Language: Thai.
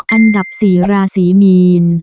อันดับ๔ราศีมีน